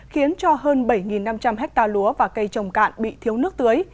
khiến cho hơn bảy năm trăm linh hectare lúa và cây trồng cạn bị thiếu nước tưới